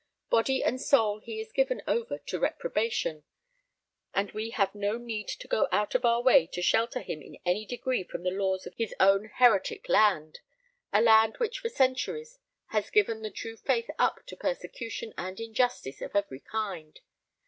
Body and soul he is given over to reprobation; and we have no need to go out of our way to shelter him in any degree from the laws of his own heretic land: a land which for centuries has given the true faith up to persecution and injustice of every kind.